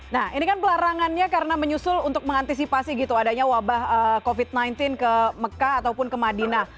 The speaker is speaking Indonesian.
nah ini kan pelarangannya karena menyusul untuk mengantisipasi gitu adanya wabah covid sembilan belas ke mekah ataupun ke madinah